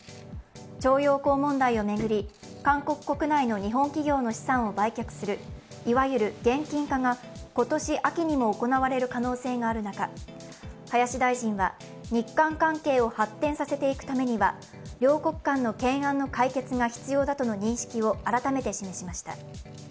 徴用工問題を巡り、韓国国内の日本企業の資産を売却するいわゆる現金化が今年秋にも行われる可能性がある中、林大臣は、日韓関係を発展させていくためには、両国間の懸案の解決が必要だと認識を改めて示しました。